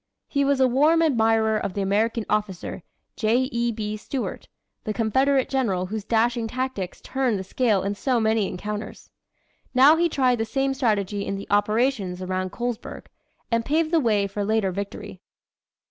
He was a warm admirer of the American officer, J. E. B. Stuart, the Confederate General whose dashing tactics turned the scale in so many encounters. Now he tried the same strategy in the operations around Colesburg and paved the way for later victory.